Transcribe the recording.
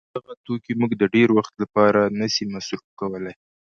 دغه توکي موږ د ډېر وخت له پاره نه سي مصروف کولای.